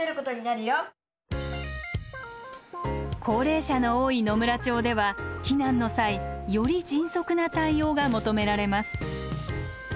高齢者の多い野村町では避難の際より迅速な対応が求められます。